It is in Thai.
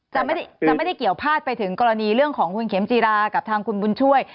จะไม่ได้เกี่ยวพาดไปถึงกรณีเรื่องของคุณเข็มจีรากับทางคุณบุญช่วย